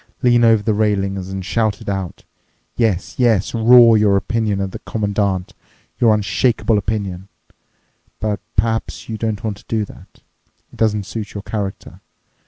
Lean over the railing and shout it out—yes, yes, roar your opinion at the Commandant, your unshakeable opinion. But perhaps you don't want to do that. It doesn't suit your character.